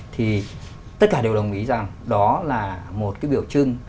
thì tất cả đều đồng ý rằng đó là một cái biểu trưng